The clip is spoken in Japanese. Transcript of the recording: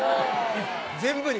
全部に。